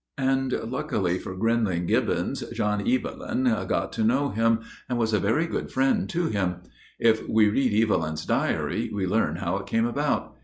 And, luckily for Grinling Gibbons, John Evelyn got to know him, and was a very good friend to him. If we read Evelyn's 'Diary,' we learn how it came about.